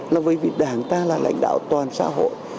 là bởi vì đảng ta là lãnh đạo toàn xã hội